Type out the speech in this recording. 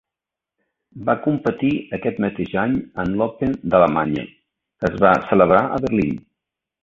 Va competir aquest mateix any en l'Open d'Alemanya que es va celebrar a Berlín.